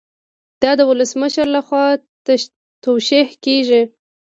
دا د ولسمشر لخوا توشیح کیږي.